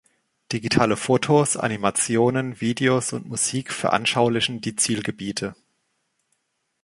Digitale Fotos, Animationen, Videos und Musik veranschaulichen die Zielgebiete.